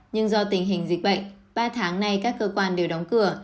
nhưng do tình hình dịch bệnh ba tháng nay các cơ quan đều đóng cửa